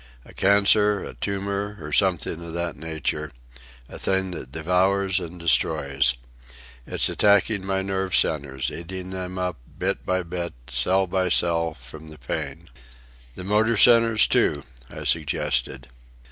A cancer, a tumour, or something of that nature,—a thing that devours and destroys. It's attacking my nerve centres, eating them up, bit by bit, cell by cell—from the pain." "The motor centres, too," I suggested.